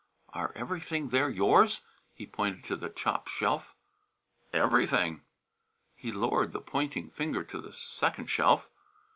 "Are everything there yours?" He pointed to the top shelf. "Everything!" He lowered the pointing finger to the second shelf.